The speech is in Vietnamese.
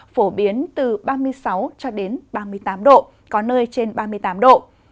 phổ biến từ ba mươi sáu cho đến ba mươi tám độ có nơi trên ba mươi tám độ